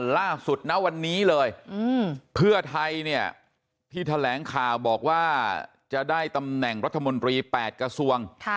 ล่าสุดนะวันนี้เลยเพื่อไทยเนี่ยที่แถลงข่าวบอกว่าจะได้ตำแหน่งรัฐมนตรี๘กระทรวง